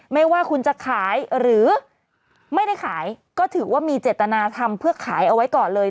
ไม่ว่าคุณจะขายหรือไม่ได้ขายก็ถือว่ามีเจตนาทำเพื่อขายเอาไว้ก่อนเลย